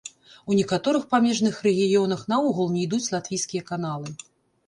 У некаторых памежных рэгіёнах наогул не ідуць латвійскія каналы.